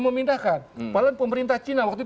memindahkan padahal pemerintah china waktu itu